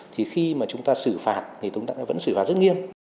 thì khi mà chúng ta xử phạt thì chúng ta vẫn xử phạt rất nghiêm